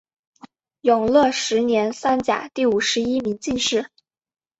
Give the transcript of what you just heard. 永乐十年三甲第五十一名进士。